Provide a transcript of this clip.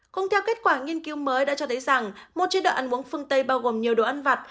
cũng theo kết quả nghiên cứu mới đã cho thấy rằng một chế độ ăn uống phương tây bao gồm nhiều đồ ăn vặt